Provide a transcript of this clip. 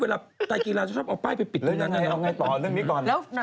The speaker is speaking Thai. เวลาไปกีฬาจะชอบเอาป้ายไปปิดตรงนั้น